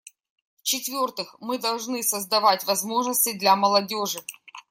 В-четвертых, мы должны создавать возможности для молодежи.